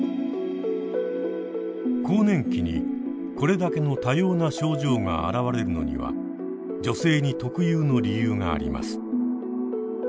更年期にこれだけの多様な症状があらわれるのには女性に特有の理由があります。